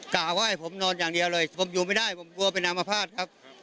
กล่าวว่าให้ผมนอนอย่างเดียวเลยผมอยู่ไม่ได้ผมกลัวเป็นอามภาษณ์ครับ